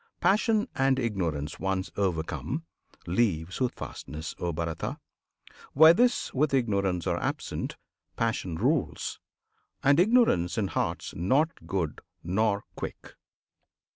Passion and Ignorance, once overcome, Leave Soothfastness, O Bharata! Where this With Ignorance are absent, Passion rules; And Ignorance in hearts not good nor quick.